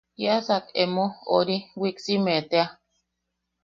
Kiasak emo... ori... wiksiime tea...